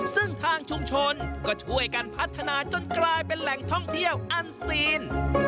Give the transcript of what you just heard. ซึ่งทางชุมชนก็ช่วยกันพัฒนาจนกลายเป็นแหล่งท่องเที่ยวอันซีน